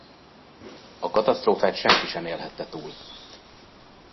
A katasztrófát senki sem élhette túl.